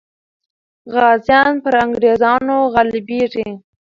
غازیان پر انګریزانو غالبېږي.